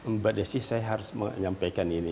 mbak desi saya harus menyampaikan ini